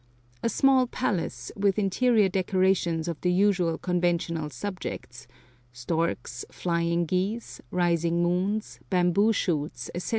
A small palace, with interior decorations of the usual conventional subjects storks, flying geese, rising moons, bamboo shoots, etc.